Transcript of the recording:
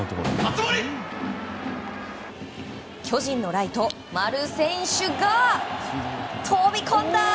巨人のライト、丸選手が飛び込んだ！